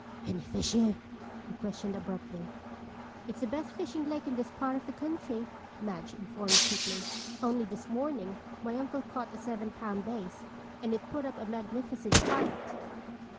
"Any fish here?" he questioned abruptly. "It's the best fishing lake in this part of the country," Madge informed quickly. "Only this morning my uncle caught a seven pound bass. And it put up a magnificent fight."